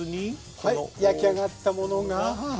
はい焼き上がったものがはははは！